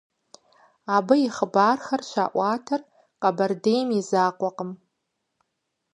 Абы и хъыбархэр щаӀуатэр Къэбэрдейм и закъуэкъым.